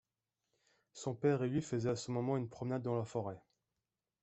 Son père et lui faisaient à ce moment une promenade dans la forêt.